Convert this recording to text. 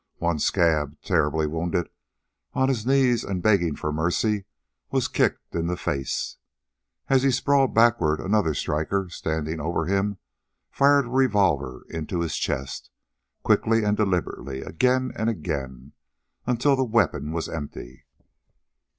One scab, terribly wounded, on his knees and begging for mercy, was kicked in the face. As he sprawled backward another striker, standing over him, fired a revolver into his chest, quickly and deliberately, again and again, until the weapon was empty.